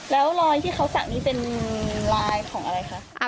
แล้วรอยที่เขาสักนี้เป็นลายของอะไรคะ